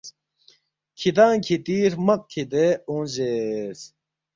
کِھدانگ کھتی ہرمق کِھدے اونگ زیرس